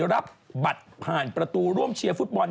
รับบัตรผ่านประตูร่วมเชียร์ฟุตบอล